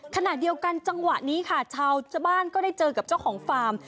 ขณะเดียวกันจังหวะนี้ค่ะชาวบ้านก็ได้เจอกับเจ้าของฟาร์ม